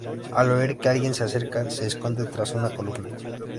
Al oír que alguien se acerca, se esconde tras una columna.